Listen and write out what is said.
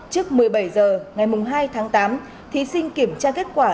trước một mươi bảy h ngày hai tháng tám thí sinh kiểm tra kết quả